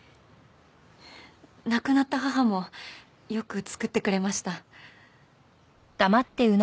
亡くなった母もよく作ってくれました。